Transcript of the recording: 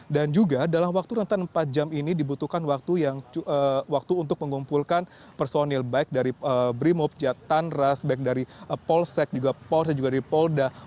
dan juga dalam waktu rentan empat jam ini dibutuhkan waktu untuk mengumpulkan personil baik dari brimop jatan ras baik dari polsek juga polsek juga dari polda